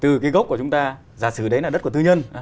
từ cái gốc của chúng ta giả sử đấy là đất của tư nhân